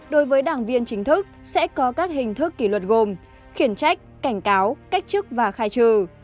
đối với đảng viên chính thức sẽ có các hình thức kỷ luật gồm khiển trách cảnh cáo cách chức và khai trừ